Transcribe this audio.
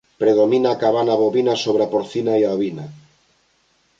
Predomina a cabana bovina sobre a porcina e a ovina